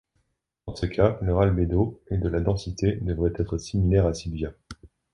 Dans ce cas, leur albédo et de la densité devraient être similaires à Sylvia.